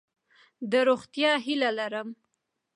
د روغتیا هیله لرم.